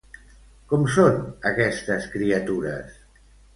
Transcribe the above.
Com són aquestes criatures?